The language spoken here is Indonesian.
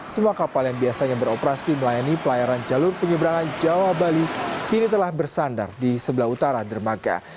semua kapal yang biasanya beroperasi melayani pelayaran jalur penyeberangan jawa bali kini telah bersandar di sebelah utara dermaga